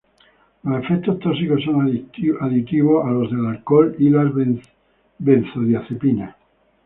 Los efectos tóxicos son aditivos a los del alcohol y las benzodiacepinas.